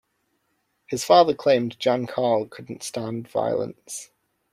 His father claimed Jan-Carl couldn't stand violence.